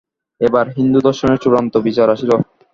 এইবার হিন্দুদর্শনের চূড়ান্ত বিচার আসিল।